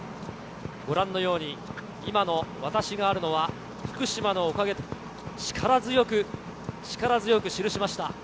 ご覧のように、今の私があるのは福島のおかげと、力強く、力強く記しました。